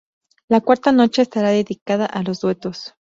La cuarta noche estará dedicada a los duetos.